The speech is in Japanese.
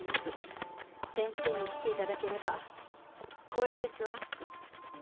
先生に来ていただければ光栄ですわ。